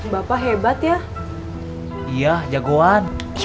bapaknya gak mau nyanyi